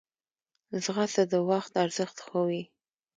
ځغاسته د وخت ارزښت ښووي